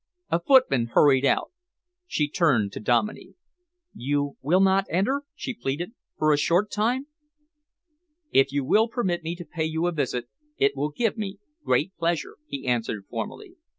A footman hurried out. She turned to Dominey. "You will not enter," she pleaded, "for a short time?" "If you will permit me to pay you a visit, it will give me great pleasure," he answered formally.